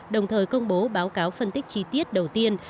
đồng thời công bố báo cáo phân tích chi tiết đầu tiên